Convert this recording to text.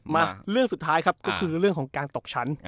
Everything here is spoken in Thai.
มาเรื่องสุดท้ายครับก็คือเรื่องของการตกชั้น